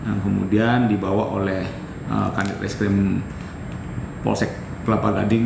yang kemudian dibawa oleh kandidat es krim polsek kelapa gading